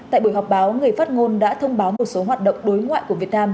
tại buổi họp báo người phát ngôn đã thông báo một số hoạt động đối ngoại của việt nam